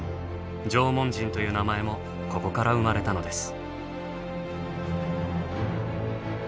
縄文人という名前もここから生まれたのです。